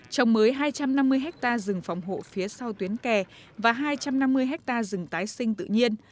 trồng mới hai trăm năm mươi hectare rừng phòng hộ phía sau tuyến kè và hai trăm năm mươi hectare rừng tái sinh tự nhiên